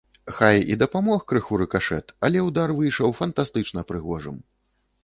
Хай і дапамог крыху рыкашэт, але ўдар выйшаў фантастычна прыгожым.